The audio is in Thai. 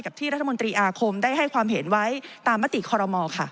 ที่รัฐมนตรีอาคมได้ให้ความเห็นไว้ตามมติคอรมอค่ะ